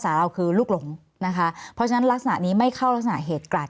มีความรู้สึกว่ามีความรู้สึกว่ามีความรู้สึกว่า